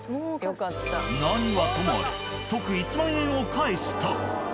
何はともあれ即１万円を返した。